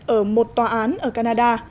ở một tòa án ở canada